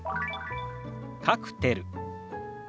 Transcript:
「カクテル」。